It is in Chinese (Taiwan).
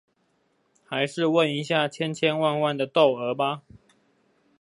還是問一下千千萬萬的竇娥吧